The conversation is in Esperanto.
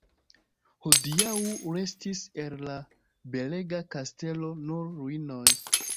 Hodiaŭ restis el la belega kastelo nur ruinoj.